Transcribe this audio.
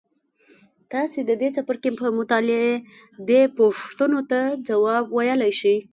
تاسې د دې څپرکي په مطالعې دې پوښتنو ته ځواب ویلای شئ.